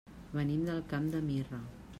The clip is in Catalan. Venim del Camp de Mirra.